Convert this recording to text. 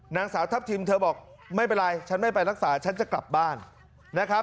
นางสาวทัพทิมเธอบอกไม่เป็นไรฉันไม่ไปรักษาฉันจะกลับบ้านนะครับ